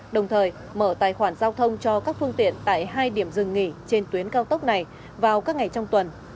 đồng thời mở tài khoản giao thông cho các phương tiện tại hai điểm dừng nghỉ trên tuyến cao tốc này vào các ngày trong tuần